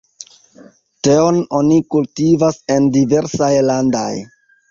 Teon oni kultivas en diversaj landaj.